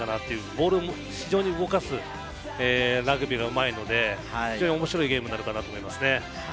ボールを非常に動かすラグビーがうまいので、非常に面白いゲームになるかなと思います。